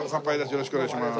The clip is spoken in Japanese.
よろしくお願いします。